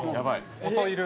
音いる。